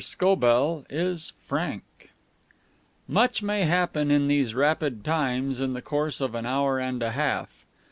SCOBELL IS FRANK Much may happen in these rapid times in the course of an hour and a half.